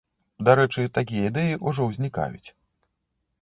Дарэчы, такія ідэі ўжо ўзнікаюць.